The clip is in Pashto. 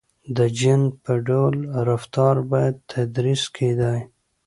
• د جن په ډول رفتار باید تدریس کېدای.